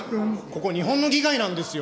ここ日本の議会なんですよ。